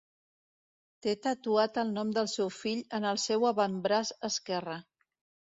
Té tatuat el nom del seu fill en el seu avantbraç esquerre.